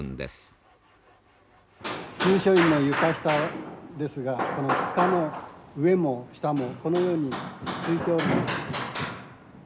中書院の床下ですがこのつかの上も下もこのようにすいておるんです。